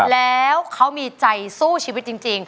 แล้วเขามีใจสู้ชีวิตจริง